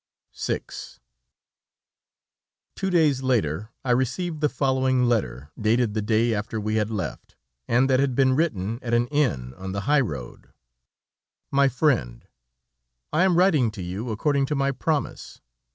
VI Two days later, I received the following letter, dated the day after we had left, and that had been written at an inn on the high road: "MY FRIEND, "I am writing to you, according to my promise.